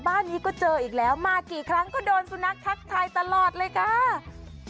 บ้านนี้ก็เจออีกแล้วมากี่ครั้งก็โดนสุนัขทักทายตลอดเลยค่ะ